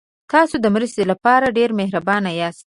تاسو د مرستې لپاره ډېر مهربانه یاست.